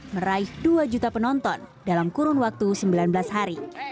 meraih dua juta penonton dalam kurun waktu sembilan belas hari